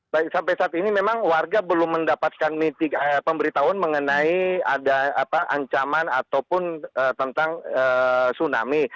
baik sampai saat ini memang warga belum mendapatkan pemberitahuan mengenai ada ancaman ataupun tentang tsunami